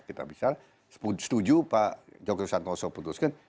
kita bisa setuju pak jokowi satnoso memutuskan